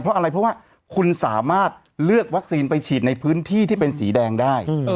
เพราะอะไรเพราะว่าคุณสามารถเลือกวัคซีนไปฉีดในพื้นที่ที่เป็นสีแดงได้